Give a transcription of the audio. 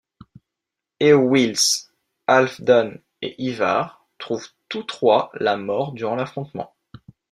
Eowils, Halfdan et Ivar trouvent tous trois la mort durant l'affrontement.